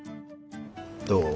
どう？